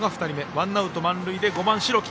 ワンアウト満塁で５番、代木。